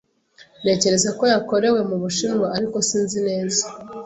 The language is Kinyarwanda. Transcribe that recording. Ntekereza ko yakorewe mu Bushinwa, ariko sinzi neza."